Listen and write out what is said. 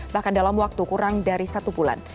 bahkan dalam waktu kurang dari satu bulan